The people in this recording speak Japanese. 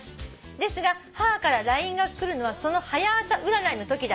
「ですが母からＬＩＮＥが来るのはその『はや朝』占いのときだけ」